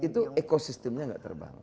itu ekosistemnya enggak terbang